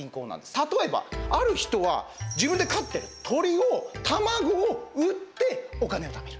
例えば、ある人は自分で飼っている鶏の卵を売ってお金をためる。